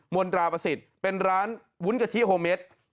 นตราประสิทธิ์เป็นร้านวุ้นกะทิโฮเมด